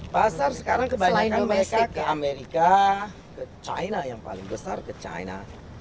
pasar sekarang kebanyakan mereka ke amerika ke china yang paling besar ke china